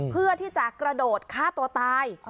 เพื่อที่จะกระโดดฆ่าตัวตาย